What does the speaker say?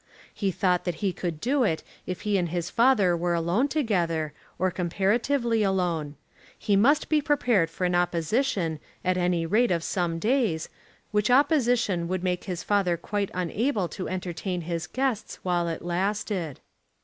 He thought that he could do it if he and his father were alone together, or comparatively alone. He must be prepared for an opposition, at any rate of some days, which opposition would make his father quite unable to entertain his guests while it lasted.